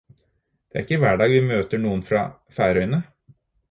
Det er ikke hver dag vi møter noen fra Færøyene